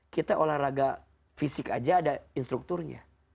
kita olahraga fisik aja ada instrukturnya